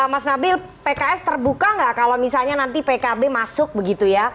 mas nabil pks terbuka nggak kalau misalnya nanti pkb masuk begitu ya